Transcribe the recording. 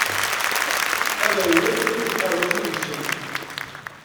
Ad awyent tikeṛṛusin-nsent.